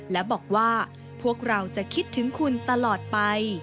และบอกว่าพวกเราจะคิดถึงคุณตลอดไป